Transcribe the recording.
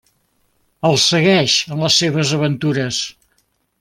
Els segueix en les seves aventures.